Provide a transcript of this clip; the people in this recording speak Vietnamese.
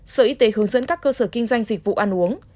sở y tế hướng dẫn các cơ sở kinh doanh dịch vụ ăn uống